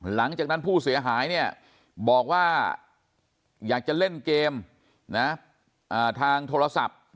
หลังจากนั้นผู้เสียหายบอกว่าอยากจะเล่นเกมทางโทรศัพท์